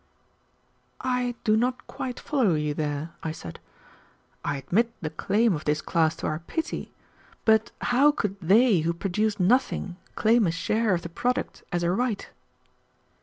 "I don't quite follow you there," I said. "I admit the claim of this class to our pity, but how could they who produced nothing claim a share of the product as a right?"